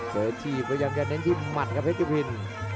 เปลือทีพยายามจะเน้นที่หมัดครับเพชรยุพิน